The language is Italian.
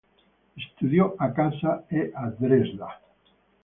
Studiò a casa e a Dresda.